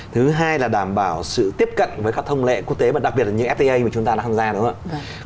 thứ hai là đảm bảo sự tiếp cận với các thông lệ quốc tế và đặc biệt là những fta mà chúng ta đã tham gia đúng không ạ